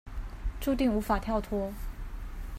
註定無法跳脫